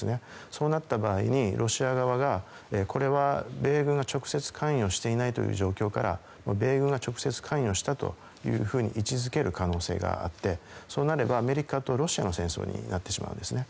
そうなった場合ロシア側がこれは米軍が直接関与していないという状況から米軍は直接関与したと位置づける可能性があってそうなればアメリカとロシアの戦争になってしまうんですね。